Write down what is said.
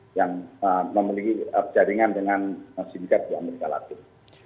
jadi yang memiliki jaringan dengan sindikat di amerika latif